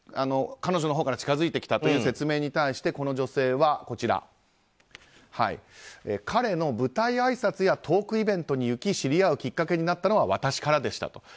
彼女のほうから近付いてきたという説明に対してこの女性は彼の舞台あいさつやトークイベントに行き知り合うきっかけになったのは私からでしたと。